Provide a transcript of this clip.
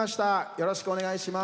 よろしくお願いします。